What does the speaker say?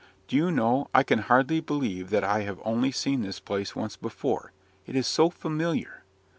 "Do you know, I can hardly believe that I have only seen this place once before; it is so familiar.